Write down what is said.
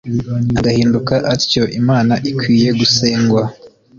agahinduka atyo imana ikwiye gusengwa